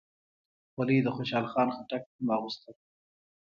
خولۍ د خوشحال خان خټک هم اغوسته.